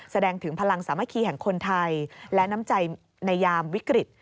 แสดงถึงพลังสามัคคีแห่งคนไทยและน้ำใจในยามวิกฤต